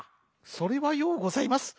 「それはようございます。